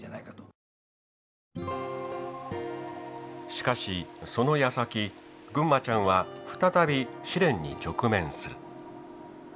しかしそのやさきぐんまちゃんは再び試練に直面する。